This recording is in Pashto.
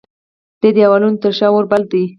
د دیوالونو تر شا اوربل دی